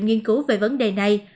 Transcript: nghiên cứu về vấn đề này